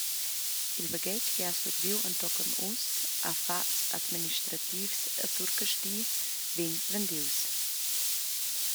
Il baghetg che ha surviu entochen ussa a fatgs administrativs a Surcasti, vegn vendius.